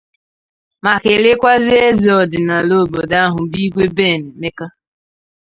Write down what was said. ma kelekwazie eze ọdịnala obodo ahụ bụ Igwe Ben Emeka